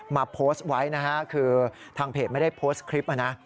โพสต์ไว้นะฮะคือทางเพจไม่ได้โพสต์คลิปนะ